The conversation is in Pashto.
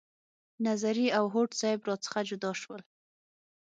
نظري او هوډ صیب را څخه جدا شول.